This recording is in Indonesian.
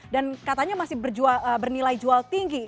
dan katanya masih bernilai jual tinggi